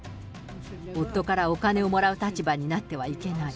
夫からお金をもらう立場になってはいけない。